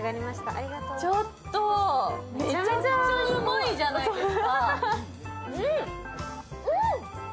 ちょっと、めちゃめちゃうまいじゃないですか！